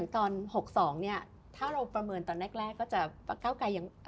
ตอน๖๒เนี่ยถ้าเราประเมินตอนแรกก็จะก้าวไกรยัง